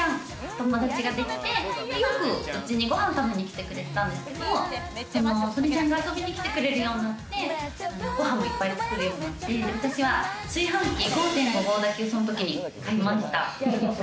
友達ができて、よくうちにご飯食べに来てくれてたんですけれど、遊びに来てくれるようになって、ご飯もいっぱい作るようになって、私は炊飯器５．５合炊き、そのときに買いました。